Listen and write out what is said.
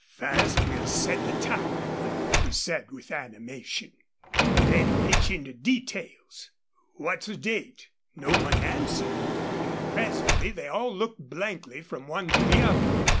"First well set the time," he said, with animation, "an' then pitch into details.... What's the date?" No one answered, and presently they all looked blankly from one to the other.